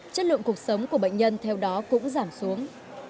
chất lượng cuộc sống của bệnh nhân theo đó cũng giảm xuống